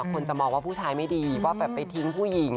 คนจะมองว่าผู้ชายไม่ดีว่าแบบไปทิ้งผู้หญิง